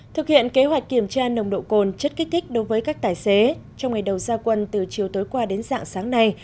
thực hiện kế hoạch kiểm tra nồng độ cồn chất kích thích đối với các tài xế trong ngày đầu gia quân từ chiều tối qua đến dạng sáng nay